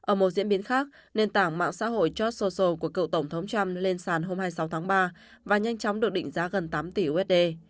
ở một diễn biến khác nền tảng mạng xã hội chart sosio của cựu tổng thống trump lên sàn hôm hai mươi sáu tháng ba và nhanh chóng được định giá gần tám tỷ usd